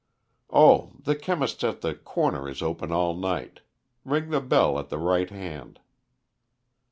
"Oh, the chemist's at the corner is open all night. Ring the bell at the right hand."